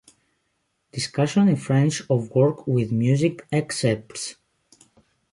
Discussion in French of work with music excerpts.